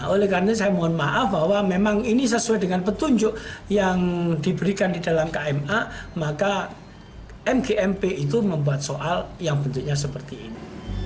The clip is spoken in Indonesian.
oleh karena saya mohon maaf bahwa memang ini sesuai dengan petunjuk yang diberikan di dalam kma maka mgmp itu membuat soal yang bentuknya seperti ini